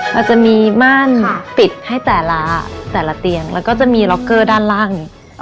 เราจะมีม่านปิดให้แต่ละแต่ละเตียงแล้วก็จะมีล็อกเกอร์ด้านล่าง